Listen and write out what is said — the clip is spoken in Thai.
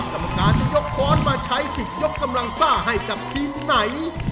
กรรมการจะยกคอร์สมาใช้สิ่งยกกำลังซ่าให้จากทีไหน